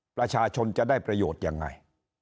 ประชาชนจะได้ประโยชน์ยังไง